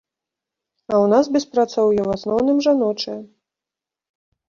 А ў нас беспрацоўе ў асноўным жаночае.